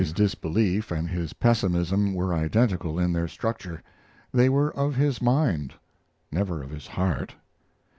His disbelief and his pessimism were identical in their structure. They were of his mind; never of his heart.